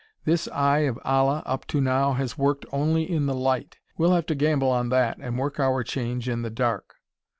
This Eye of Allah, up to now, has worked only in the light. We'll have to gamble on that and work our change in the dark.